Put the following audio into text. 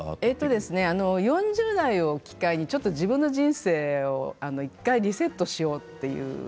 えっとですねあの４０代を機会にちょっと自分の人生を１回リセットしようっていう。